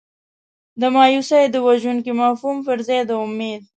د مایوسۍ د وژونکي مفهوم پر ځای د امید.